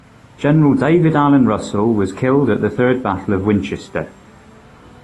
General David Allen Russell was killed at the Third Battle of Winchester.